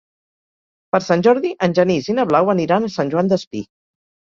Per Sant Jordi en Genís i na Blau aniran a Sant Joan Despí.